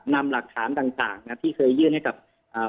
นำหลักฐานต่างต่างนะที่เคยยื่นให้กับอ่า